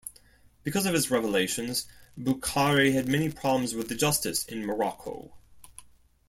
Because of his revelations, Boukhari had many problems with the justice in Morocco.